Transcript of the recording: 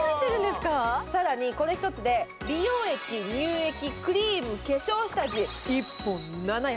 更にこれ１つで美容液、乳液、クリーム、化粧下地、１本７役。